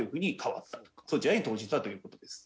そちらに投じたという事です。